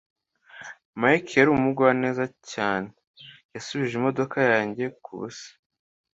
Mike yari umugwaneza cyane. Yasubije imodoka yanjye kubusa.